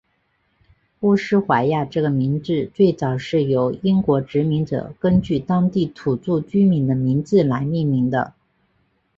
乌斯怀亚这个名字最早是由英国殖民者根据当地土着居民的名字来命名的。